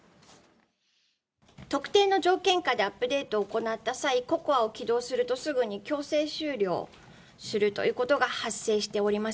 特定の条件下でアップデートを行った際、ＣＯＣＯＡを起動するとすぐに強制終了するということが発生しております。